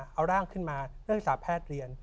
เรื่องทางศาสตร์แพทย์เรียน